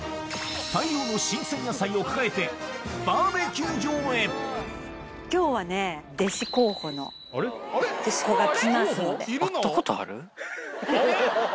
大量の新鮮野菜を抱えてバーベキュー場へアハハ！